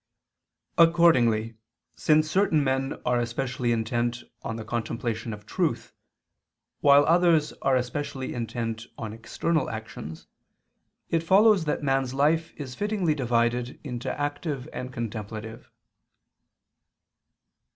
Accordingly since certain men are especially intent on the contemplation of truth, while others are especially intent on external actions, it follows that man's life is fittingly divided into active and contemplative.